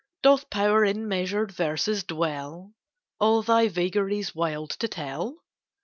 Doth power in measured verses dwell, All thy vagaries wild to tell?